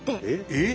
えっ！